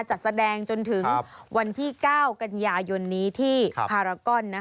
จัดแสดงจนถึงวันที่๙กันยายนนี้ที่พารากอน